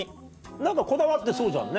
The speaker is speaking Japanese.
何かこだわってそうじゃんね。